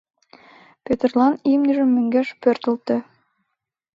Пӧтырлан имньыжым мӧҥгеш пӧртылтӧ!